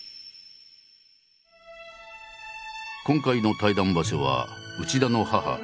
今回の対談場所は内田の母